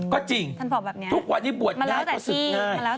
ก็จริงทุกวันที่บวชเนรทก็ศึกง่าย